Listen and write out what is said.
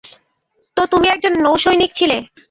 তো তুমি একজন নৌসৈনিক ছিলে?